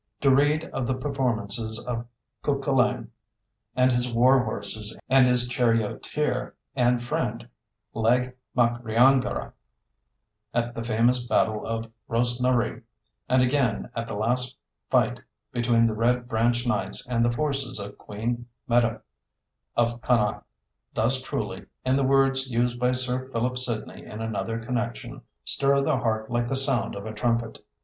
To read of the performances of Cuchulainn and his war horses and his charioteer and friend, Laeg macRiangahra, at the famous battle of Rosnaree, and again at the last fight between the Red Branch Knights and the forces of Queen Medb of Connacht, does truly, in the words used by Sir Philip Sidney in another connection, stir the heart like the sound of a trumpet.